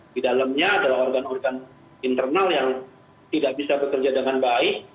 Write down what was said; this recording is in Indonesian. di dalamnya adalah organ organ internal yang tidak bisa bekerja dengan baik